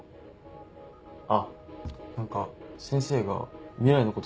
あっ何か先生が未来のこと